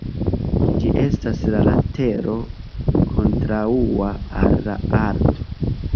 Ĝi estas la latero kontraŭa al la orto.